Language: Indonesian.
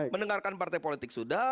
mendengarkan partai politik sudah